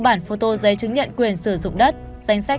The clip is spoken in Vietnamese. một bảy trăm tám mươi bốn bản phô tô giấy chứng nhận quyền sử dụng đất